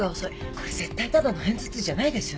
これ絶対ただの片頭痛じゃないですよね。